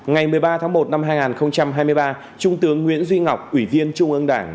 ngày một mươi ba tháng một năm hai nghìn hai mươi ba trung tướng nguyễn duy ngọc ủy viên trung ương đảng